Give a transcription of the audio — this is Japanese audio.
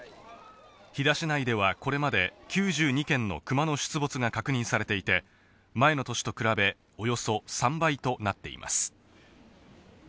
飛騨市内ではこれまで、９２件のクマの出没が確認されていて、前の年と比べおよそ３倍となっています。